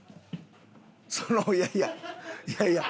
いやいやいやいや。